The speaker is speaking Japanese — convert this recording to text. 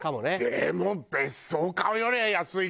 でも別荘買うよりは安いか。